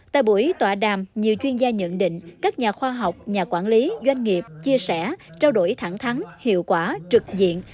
tại buổi tọa đàm nhiều chuyên gia nhận định các nhà khoa học nhà quản lý doanh nghiệp chia sẻ trao đổi thẳng thắng hiệu quả trực diện